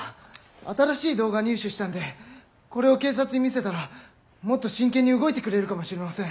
新しい動画入手したんでこれを警察に見せたらもっと真剣に動いてくれるかもしれません。